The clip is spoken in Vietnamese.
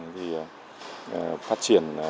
thì phát triển